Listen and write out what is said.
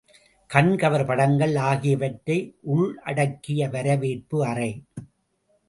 கண்கவர் படங்கள் ஆகியவற்றை உள்ளடக்கிய வரவேற்பு அறை.